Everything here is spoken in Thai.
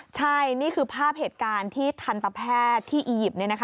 ใช่นี่คือภาพเหตุการณ์ที่ทันตแพทย์ที่อียิปต์